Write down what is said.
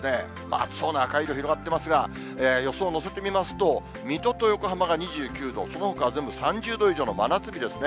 暑そうな赤色広がっていますが、予想を載せてみますと、水戸と横浜が２９度、そのほかは全部３０度以上の真夏日ですね。